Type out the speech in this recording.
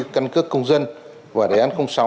căn cước công dân và đề án sáu